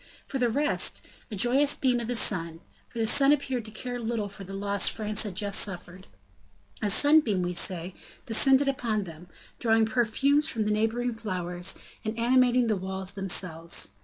For the rest, a joyous beam of the sun, for the sun appeared to care little for the loss France had just suffered; a sunbeam, we say, descended upon them, drawing perfumes from the neighboring flowers, and animating the walls themselves.